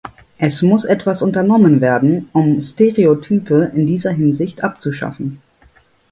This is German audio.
Es muss etwas unternommen werden, um Stereotype in dieser Hinsicht abzuschaffen.